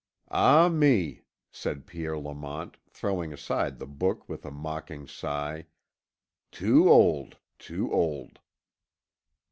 "Ah me!" said Pierre Lamont, throwing aside the book with a mocking sigh. "Too old too old!"